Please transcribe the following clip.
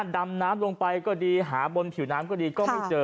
ดำน้ำลงไปก็ดีหาบนผิวน้ำก็ดีก็ไม่เจอ